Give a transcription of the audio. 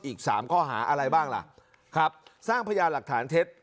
อีก๓ข้อหาอะไรบ้างล่ะครับสร้างพยานหลักฐานเท็จ